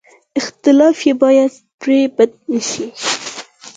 اختلاف یې باید پرې بد نه شي.